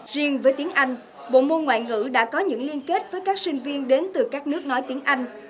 riêng với tiếng anh bộ môn ngoại ngữ đã có những liên kết với các sinh viên đến từ các nước nói tiếng anh